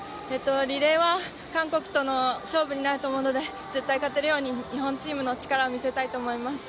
リレーは韓国との勝負になると思うので絶対に勝てるように日本チームの力を見せたいと思います。